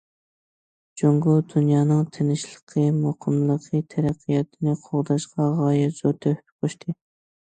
جۇڭگو دۇنيانىڭ تىنچلىقى، مۇقىملىقى، تەرەققىياتىنى قوغداشقا غايەت زور تۆھپە قوشتى.